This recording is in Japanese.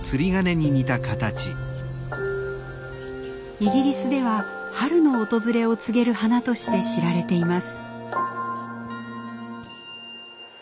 イギリスでは春の訪れを告げる花として知られています。